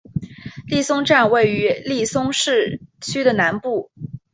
利松站位于利松市区的南部。